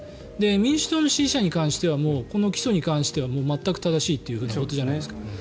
民主党の支持者に関してはこの起訴に関しては全く正しいということじゃないですか。